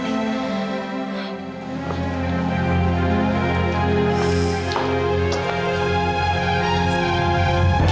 amira aku mau pergi